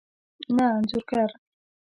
نه انځور ګر